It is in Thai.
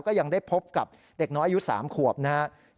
ยังได้พบกับเด็กน้อยอายุ๓ขวบนะครับ